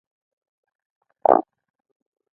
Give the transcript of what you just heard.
د افغانستان د اقتصادي پرمختګ لپاره پکار ده چې زړور اوسو.